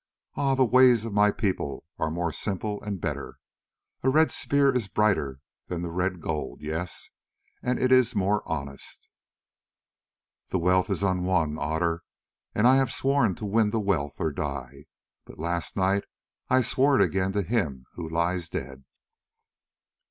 "Ah! the ways of my people are more simple and better. A red spear is brighter than the red gold, yes, and it is more honest." "The wealth is unwon, Otter, and I have sworn to win the wealth or die. But last night I swore it again to him who lies dead."